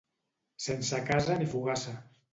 Sense casa ni fogassa.